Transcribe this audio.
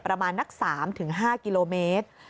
ประมาณนัก๓๕กิโลเมตร